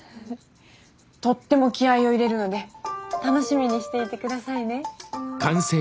とっても気合いを入れるので楽しみにしていて下さいね。